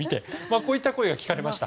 こういった声が聞かれました。